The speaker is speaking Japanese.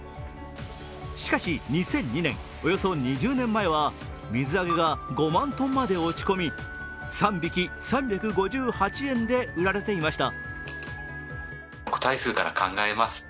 しかし、２００２年およそ２０年前は水揚げが５万トンまで落ち込み３匹、３５８円で売られていました。